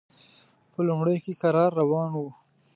په لومړیو کې کرار روان و.